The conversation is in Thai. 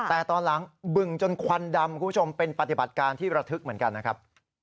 แต่ตอนหลังบึงจนควันดำคุณผู้ชมเป็นปฏิบัติการที่ระทึกเหมือนกันนะครับ